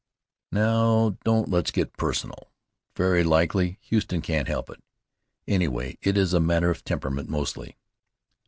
"Now, don't let's get personal. Very likely Huston can't help it. Anyway, it is a matter of temperament mostly."